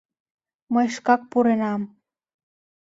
Мый шкак пуренам...